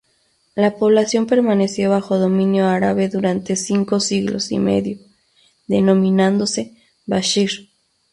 La población permaneció bajo dominio árabe durante cinco siglos y medio, denominándose Bashir.